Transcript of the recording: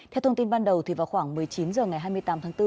theo thông tin ban đầu vào khoảng một mươi chín h ngày hai mươi tám tháng bốn